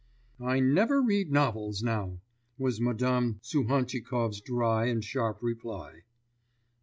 'I never read novels now,' was Madame Suhantchikov's dry and sharp reply.